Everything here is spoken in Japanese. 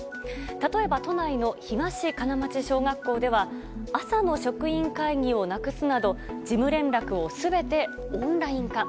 例えば、都内の東金町小学校では朝の職員会議をなくすなど事務連絡を全てオンライン化。